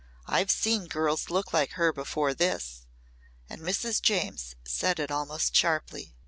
I've seen girls look like her before this." And Mrs. James said it almost sharply.